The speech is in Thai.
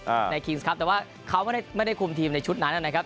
ในคิงส์ครับแต่ว่าเขาไม่ได้ไม่ได้คุมทีมในชุดนั้นนะครับ